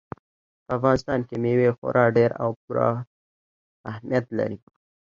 په افغانستان کې مېوې خورا ډېر او پوره پوره اهمیت لري.